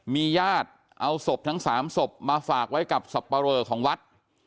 มีญาติเอาศพทั้ง๓ศพมาฝากไว้กับสับปะเรอของวัด